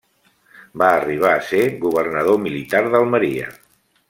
Va arribar a ser governador militar d'Almeria.